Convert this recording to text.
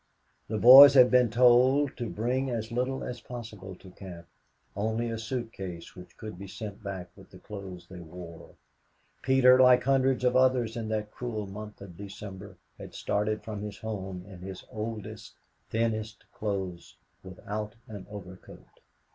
The boys had been told to bring as little as possible to camp only a suit case which could be sent back with the clothes they wore. Peter, like hundreds of others in that cruel month of December had started from his home in his oldest, thinnest clothes, without an overcoat.